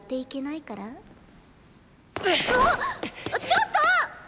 ちょっとぉ！